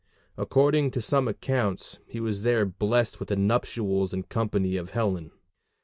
According to some accounts he was there blest with the nuptials and company of Helen.